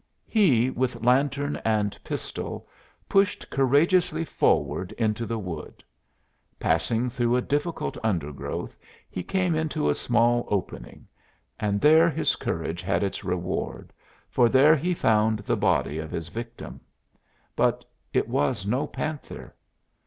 He, with lantern and pistol, pushed courageously forward into the wood. Passing through a difficult undergrowth he came into a small opening, and there his courage had its reward, for there he found the body of his victim. But it was no panther.